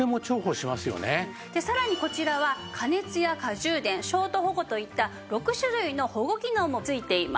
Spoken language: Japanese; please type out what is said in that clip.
でさらにこちらは過熱や過充電ショート保護といった６種類の保護機能も付いています。